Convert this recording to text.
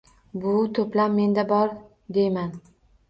– Bu to’plam menda bor, – deyman.